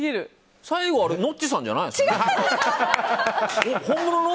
最後はノッチさんじゃないの？